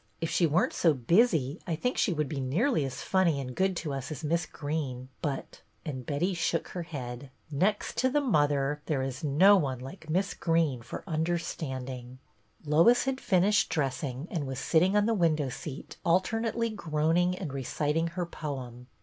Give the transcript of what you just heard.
If she were n't so busy I think she would be nearly as funny and good to us as Miss Greene, but —" and Betty shook her head —" next to the Mother there is no one like Miss Greene for understanding." 142 BETTY BAIRD Lois had finished dressing, and was sitting on the window seat, alternately groaning and reciting her poem.